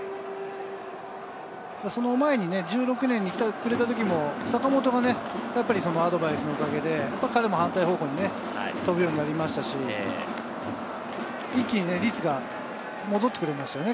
その前に１６年に来てくれた時も坂本がアドバイスのおかげで彼も反対方向に飛ぶようになりましたし、一気に率が戻ってくれましたよね。